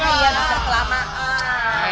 iya besok ke lama